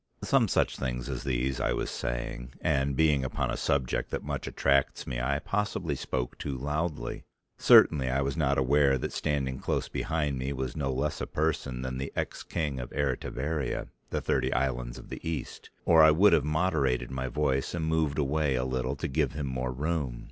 Some such things as these I was saying, and being upon a subject that much attracts me I possibly spoke too loudly, certainly I was not aware that standing close behind me was no less a person than the ex King of Eritivaria, the thirty islands of the East, or I would have moderated my voice and moved away a little to give him more room.